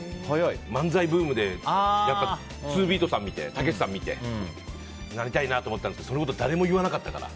漫才ブームで、やっぱりツービートさんを見てたけしさんを見てなりたいなって思ったんですけどそのこと誰にも言わなかったから。